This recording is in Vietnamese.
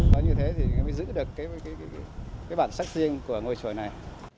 đó như thế thì mới giữ được bản sắc riêng của ngôi chùa này